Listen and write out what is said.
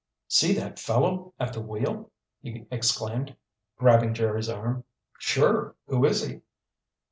"See that fellow at the wheel!" he exclaimed, grabbing Jerry's arm. "Sure. Who is he?"